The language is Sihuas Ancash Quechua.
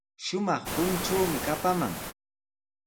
Shumaq punchuumi kapaman.